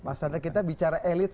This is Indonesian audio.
mas randa kita bicara elite